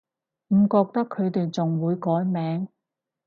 唔覺得佢哋仲會改名